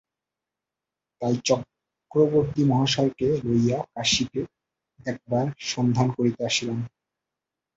তাই চক্রবর্তীমহাশয়কে লইয়া কাশীতে এখবার সন্ধান করিতে আসিলাম।